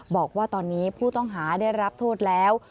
บอกว่าตอนนี้ผู้ต้องหาได้รับโทษแล้ว